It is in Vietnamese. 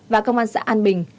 và công an xã an bình